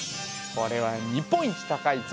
これは日本一高い像